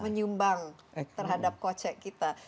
menyumbang terhadap kocek kita